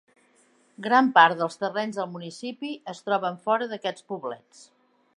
Gran part dels terrenys del municipi es troben fora d'aquests poblets.